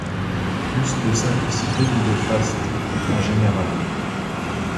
Plus de simplicité que de faste, en général.